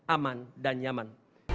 aman dan nyaman